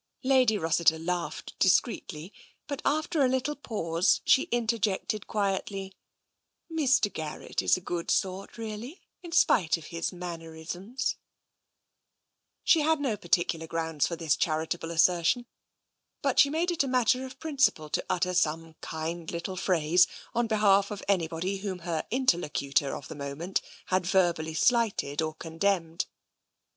" Lady Rossiter laughed discreetly, but after a little pause she interjected quietly :" Mr. Garrett is a good sort, really, in spite of his mannerisms." I70 TENSION She had no particular grounds for this charitable as sertion, but she made it a matter of principle to utter some kind little phrase on behalf of anybody whom her interlocutor of the moment had verbally slighted or condemned.